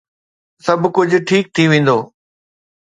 سڀ ڪجھ ٺيڪ ٿي ويندو